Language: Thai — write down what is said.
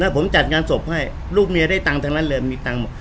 ผมจัดงานศพให้ลูกเมียได้ตังค์ทั้งนั้นเลยมีตังค์หมด